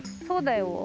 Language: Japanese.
そうだよ。